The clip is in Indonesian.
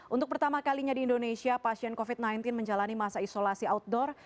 untuk pertama kalinya di indonesia pasien covid sembilan belas menjalani masa isolasi outdoor